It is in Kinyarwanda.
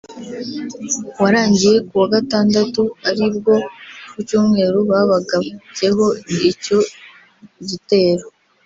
warangiye ku wa gatandatu ari bwo ku cyumweru babagabyeho icyo gitero